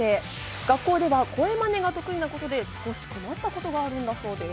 学校では声まねが得意なことで少し困ったことがあるんだそうです。